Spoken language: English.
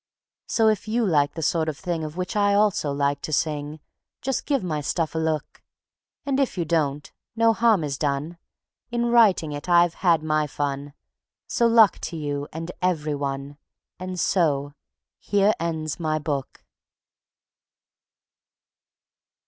So if you like the sort of thing Of which I also like to sing, Just give my stuff a look; And if you don't, no harm is done In writing it I've had my fun; Good luck to you and every one And so Here ends my book.